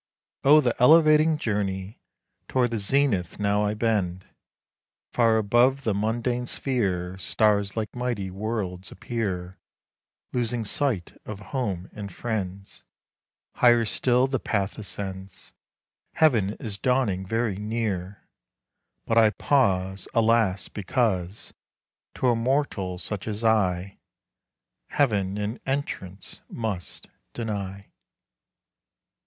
Oh! the elevating journey! Toward the zenith now I bend, Far above the mundane sphere, Stars like mighty worlds appear. Losing sight of home and friends, Higher still the path ascends. Heaven is dawning very near; But I pause, Alas! because To a mortal such as I, Heaven an entrance must deny.